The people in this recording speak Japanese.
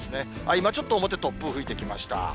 今、ちょっと表、突風吹いてきました。